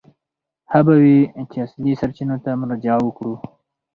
ښه به وي چې اصلي سرچینو ته مراجعه وکړو.